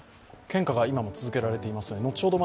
献花が今も続けられていますが後ほど